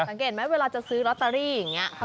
สังเกตไหมเวลาจะซื้อลอตเตอรี่อย่างนี้